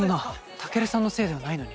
健さんのせいではないのに。